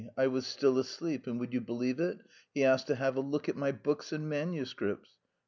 _ I was still asleep, and, would you believe it, he asked to have a look at my books and manuscripts!